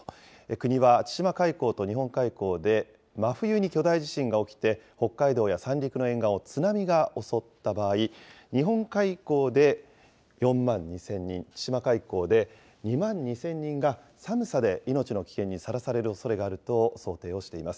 国は千島海溝と日本海溝で、真冬に巨大地震が起きて、北海道や三陸の沿岸を津波が襲った場合、日本海溝で４万２０００人、千島海溝で２万２０００人が寒さで命の危険にさらされるおそれがあると想定をしています。